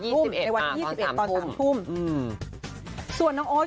โปรดติดตามต่อไป